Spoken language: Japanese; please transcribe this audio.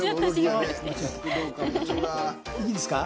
いいですか？